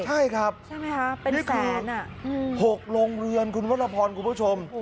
ใช่ครับนี่คือ๖รงเวียนคุณมรพลกุทุกผู้ชม